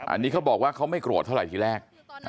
อันนี้เขาบอกว่าเขาไม่โกรธเท่าไหร่ทีแรก